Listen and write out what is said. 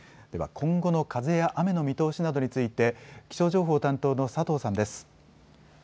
今後の風や雨の見通しなどについて気象情報担当の佐藤さんです。